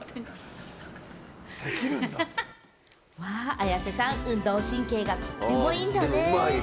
綾瀬さん、運動神経がとてもいいんだね。